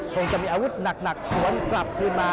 คงจะมีอาวุธหนักสวนกลับคืนมา